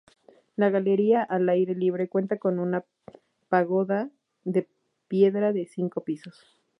La Galería al aire libre cuenta con una pagoda de piedra de cinco pisos.